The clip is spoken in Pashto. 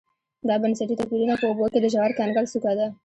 دا بنسټي توپیرونه په اوبو کې د ژور کنګل څوکه ده